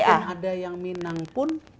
kalau pun ada yang minang pun